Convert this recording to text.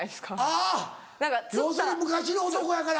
あぁ要するに昔の男やから。